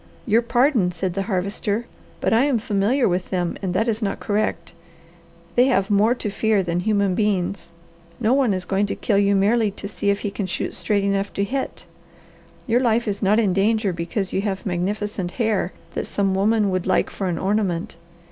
"Your pardon," said the Harvester, "but I am familiar with them, and that is not correct. They have more to fear than human beings. No one is going to kill you merely to see if he can shoot straight enough to hit. Your life is not in danger because you have magnificent hair that some woman would like for an ornament.